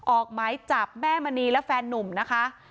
ออกหมายจับแม่มณีและแฟนนุ่มนะคะ